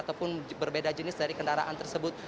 ataupun berbeda jenis dari kendaraan tersebut